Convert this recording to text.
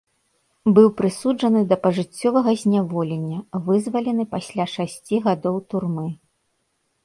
Быў прысуджаны да пажыццёвага зняволення, вызвалены пасля шасці гадоў турмы.